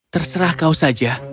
terserah kau saja